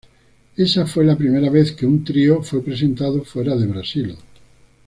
Esa fue la primera vez que un trío fue presentado fuera de Brasil.